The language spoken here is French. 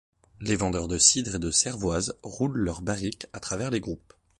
Les vendeurs de cidre et de cervoise roulent leur barrique à travers les groupes.